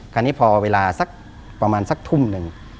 คราวนี้พอเวลาสักประมาณสักทุ่มหนึ่ง